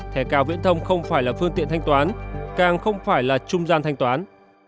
thẻ cào viễn thông không phải là phương tiện thanh toán càng không phải là trung gian thanh toán